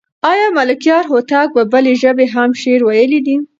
آیا ملکیار هوتک په بلې ژبې هم شعر ویلی دی؟